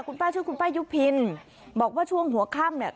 คุณป้าชื่อคุณป้ายุพินบอกว่าช่วงหัวค่ำเนี่ย